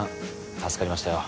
助かりましたよ